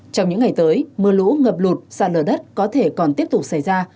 trong những ngày tới mưa lũ ngập lụt sạt lở đất có thể còn tiếp tục xảy ra